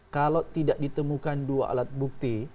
kalau tidak ditemukan dua alat bukti